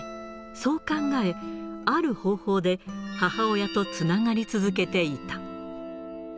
そう考え、ある方法で母親とつながり続けていた。